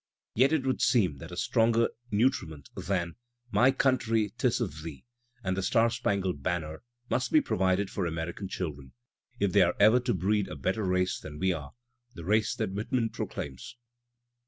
Yet it would seem that a stronger nutriment than "My Country 'Tis of Thee" and "The Star Spangled Banner" must be provided for American children, if they are ever to breed a better race than we are, the race that Whitman proclaims.